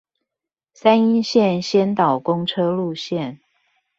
三鶯線先導公車路線